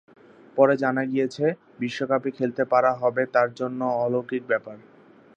পরে জানা গিয়েছিল, বিশ্বকাপে খেলতে পারা হবে তাঁর জন্য অলৌকিক ব্যাপার।